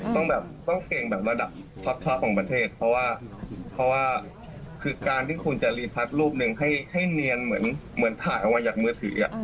ต้องแบบต้องเก่งแบบระดับท็อปของประเทศเพราะว่าเพราะว่าคือการที่คุณจะรีทัศน์รูปหนึ่งให้เนียนเหมือนถ่ายออกมาจากมือถือ